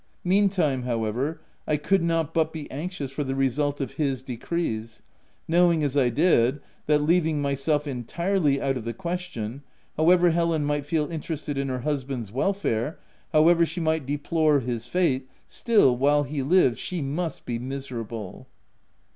Meantime, however, I could not but be anxious for the result of His decrees ; knowing, as I did, that (leaving myself entirely out of the question,) however Helen might feel interested in her husband's welfare, how ever she might deplore his fate, still, while he lived, she must be miserable.